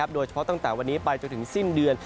โดยเฉพาะตั้งแต่วันนี้ไปจนถึงสิ้นเดือน